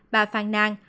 bà phàn nàn